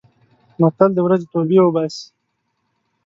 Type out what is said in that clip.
متل: د ورځې توبې اوباسي.